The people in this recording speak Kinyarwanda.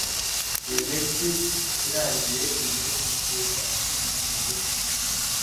Iyo impeshyi irangiye iminsi ikura mugufi